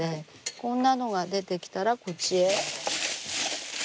こんなのが出てきたらこっちへ。